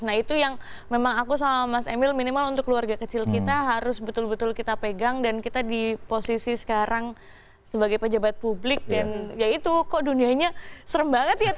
nah itu yang memang aku sama mas emil minimal untuk keluarga kecil kita harus betul betul kita pegang dan kita di posisi sekarang sebagai pejabat publik dan ya itu kok dunianya serem banget ya